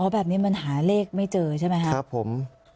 แบบนี้มันหาเลขไม่เจอใช่ไหมครับผม